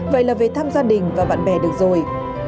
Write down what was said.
vậy là về thăm gia đình và bạn bè được rồi